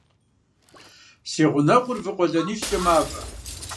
Си гъунэгъур вы къуэлэнищкӀэ мавэ.